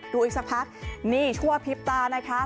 ดูอีกสักพักนี่ชั่วพริบตานะคะ